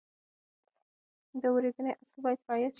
د اورېدنې اصل باید رعایت شي.